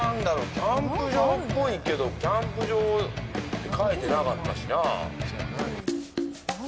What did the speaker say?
キャンプ場っぽいけどキャンプ場って書いてなかったしな。